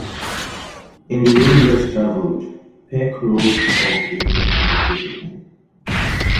In "The Road Less Traveled", Peck wrote of the importance of discipline.